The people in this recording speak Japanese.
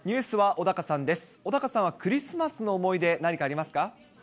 小高さんはクリスマスの思い出、何かありますか？